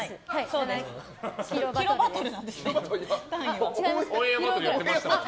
キロバトルなんですね、単位が。